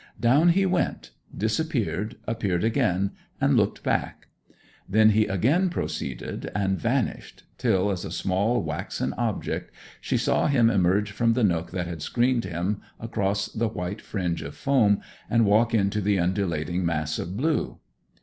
Down he went, disappeared, appeared again, and looked back. Then he again proceeded, and vanished, till, as a small waxen object, she saw him emerge from the nook that had screened him, cross the white fringe of foam, and walk into the undulating mass of blue.